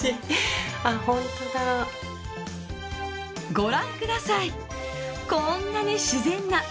ご覧ください。